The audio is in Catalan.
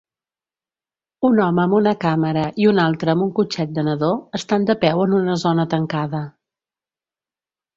Un home amb una càmera i un altre amb un cotxet de nadó estan de peu en una zona tancada